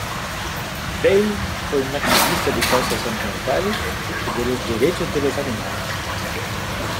Bale fue un activista de causas ambientales y de los derechos de los animales.